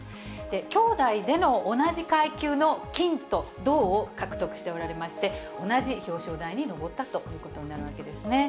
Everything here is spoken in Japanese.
兄弟での同じ階級の金と銅を獲得しておられまして、同じ表彰台に上ったということになるわけですね。